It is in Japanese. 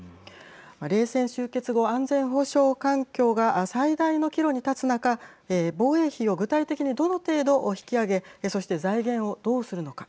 冷戦終結後、安全保障環境が最大の岐路に立つ中防衛費を具体的にどの程度引き上げそして財源をどうするのか。